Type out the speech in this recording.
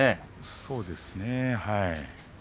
そうですね、はい。